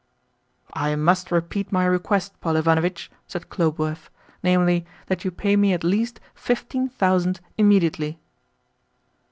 "I must repeat my request, Paul Ivanovitch," said Khlobuev, " namely, that you pay me at least fifteen thousand immediately."